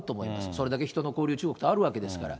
それだけ人の交流、中国とあるわけですから。